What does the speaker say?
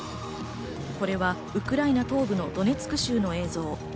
これはウクライナ東部のドネツク州の映像。